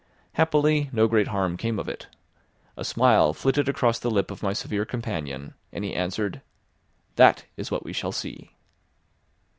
Happily no great harm came of it. A smile flitted across the lip of my severe companion, and he answered: "That is what we shall see."